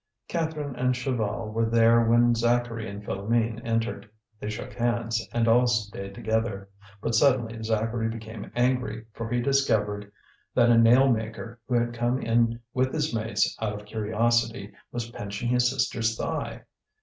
Catherine and Chaval were there when Zacharie and Philoméne entered. They shook hands, and all stayed together. But suddenly Zacharie became angry, for he discovered that a nail maker, who had come in with his mates out of curiosity, was pinching his sister's thigh.